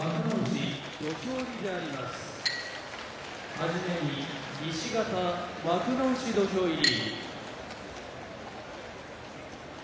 はじめに西方幕内土俵入り。